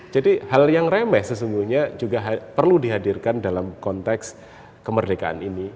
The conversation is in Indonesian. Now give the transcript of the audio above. jadi hal yang remeh sesungguhnya juga perlu dihadirkan dalam konteks kemerdekaan ini